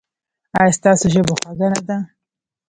ایا ستاسو ژبه خوږه نه ده؟